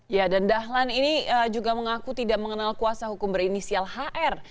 ya dan dahlan ini juga mengaku tidak mengenal kuasa hukum berinisial hr